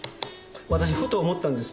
わたしふと思ったんです。